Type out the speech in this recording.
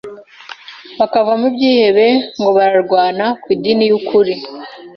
bakavamo ibyihebe ngo bararwana ku idini y’ukuri